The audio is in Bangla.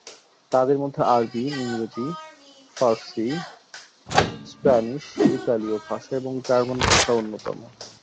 তাদের মধ্যে আরবি, ইংরেজি, ফরাসি, স্প্যানিশ, ইতালীয় ভাষা এবং জার্মান ভাষা অন্যতম।